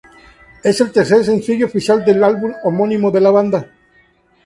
Es el tercer sencillo oficial del álbum homónimo de la banda.